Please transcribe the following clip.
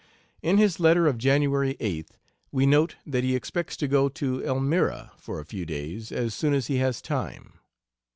In his letter of January 8th we note that he expects to go to Elmira for a few days as soon as he has time.